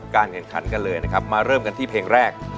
แข่งขันกันเลยนะครับมาเริ่มกันที่เพลงแรก